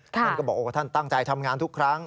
ท่านก็บอกว่าท่านตั้งใจทำงานทุกครั้ง